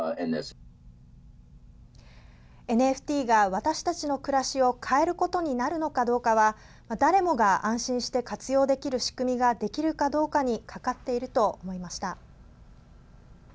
ＮＦＴが私たちの暮らしを変えることになるのかどうかは誰もが安心して活用できる仕組みができるかどうかにかかっていると思いました。